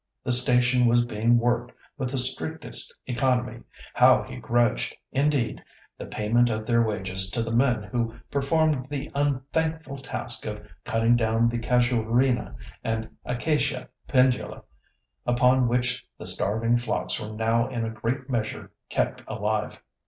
The station was being worked with the strictest economy. How he grudged, indeed, the payment of their wages to the men who performed the unthankful task of cutting down the Casuarina and Acacia pendula, upon which the starving flocks were now in a great measure kept alive!